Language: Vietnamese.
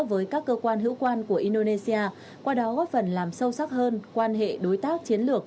với các cơ quan hữu quan của indonesia qua đó góp phần làm sâu sắc hơn quan hệ đối tác chiến lược